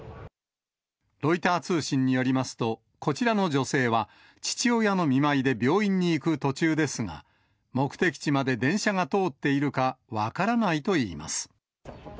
ロイター通信によりますと、こちらの女性は、父親の見舞いで病院に行く途中ですが、目的地まで電車が通っているか、分からないといいます。